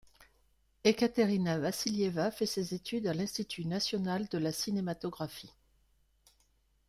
Ekaterina Vassilieva fait ses études à l'Institut national de la cinématographie.